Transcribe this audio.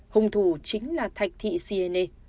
hùng thủ chính là thạch thị siene